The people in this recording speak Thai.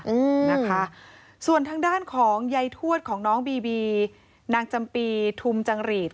อืมนะคะส่วนทางด้านของยายทวดของน้องบีบีนางจำปีทุมจังหรีด